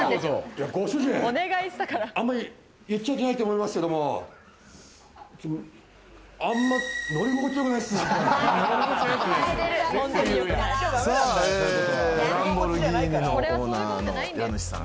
あまり言っちゃいけないと思いますけども、あんま、乗り心地良くないっすね。